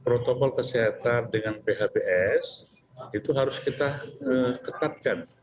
protokol kesehatan dengan phbs itu harus kita ketatkan